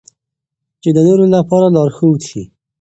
چې د نورو لپاره لارښود شي.